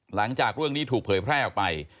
หลังจากเรื่องนี้ถูกเผยแพร่ออกไป